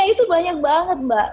itu banyak banget mbak